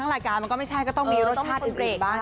รายการมันก็ไม่ใช่ก็ต้องมีรสชาติอื่นบ้าง